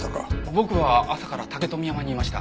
僕は朝から竹富山にいました。